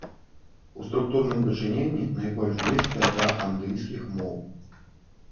У структурным дачыненні найбольш блізкая да андыйскіх моў.